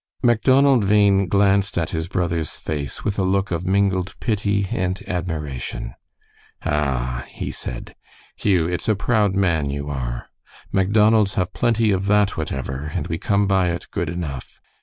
Macdonald Bhain glanced at his brother's face with a look of mingled pity and admiration. "Ah," he said, "Hugh, it's a proud man you are. Macdonalds have plenty of that, whatever, and we come by it good enough.